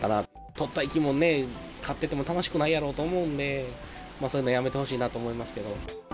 とった生き物、飼ってても楽しくないやろうと思うんで、そういうのはやめてほしいなと思いますけど。